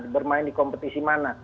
bermain di kompetisi mana